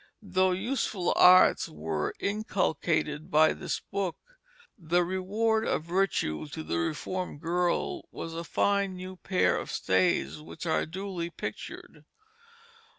Though useful arts were inculcated by this book, the reward of virtue to the reformed girl was a fine new pair of stays, which are duly pictured.